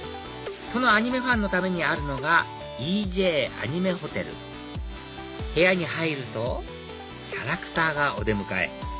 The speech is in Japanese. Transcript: そのアニメファンのためにあるのがＥＪアニメホテル部屋に入るとキャラクターがお出迎え